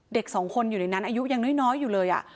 เด็กสองคนอยู่ในนั้นอายุยังน้อยอยู่เลย